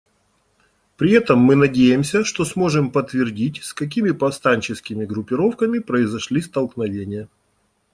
При этом мы надеемся, что сможем подтвердить, с какими повстанческими группировками произошли столкновения.